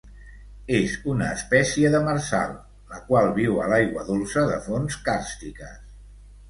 És una espècie demersal, la qual viu a l'aigua dolça de fonts càrstiques.